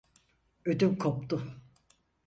Ödüm koptu…